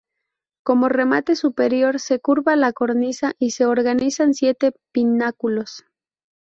Como remate superior se curva la cornisa y se organizan siete pináculos.